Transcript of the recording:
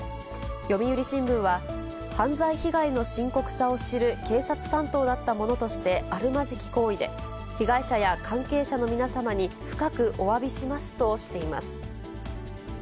読売新聞は犯罪被害の深刻さを知る警察担当だった者としてあるまじき行為で、被害者や関係者の皆様に深くおわびしますとしています。